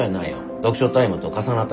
読書タイムと重なった時だけな。